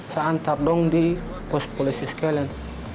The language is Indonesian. saya antar dong di post polisies kalian